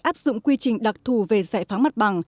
áp dụng quy trình đặc thù về giải phóng mặt bằng